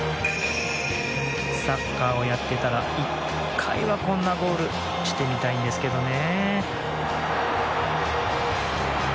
サッカーをやっていたら１回はこんなゴールしてみたいんですけどね。